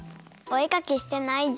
おえかきしてないの！